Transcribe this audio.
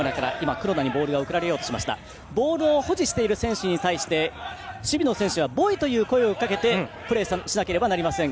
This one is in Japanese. ボールを保持している選手に対して守備の選手はボイという声をかけてプレーしなければなりません。